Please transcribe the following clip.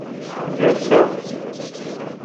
Gerseɣ.